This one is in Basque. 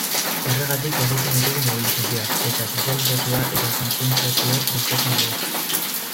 Horregatik egiten ditugu mobilizazioak, eta sozializazioa eta kontzientziazioa bultzatzen dugu.